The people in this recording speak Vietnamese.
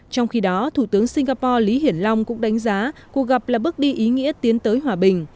trong khi đó thủ tướng singapore lý hiển long cũng đánh giá cuộc gặp là bước đi ý nghĩa tiến tới hòa bình